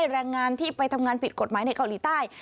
แรงงานที่ไปทำงานผิดกฎหมายในเกาหลีใต้